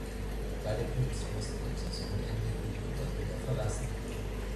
Beide Klubs mussten am Saisonende die Liga wieder verlassen.